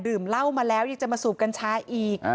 ดื่มเหล้ามาแล้วอยากจะมาสูบกัญชาอีก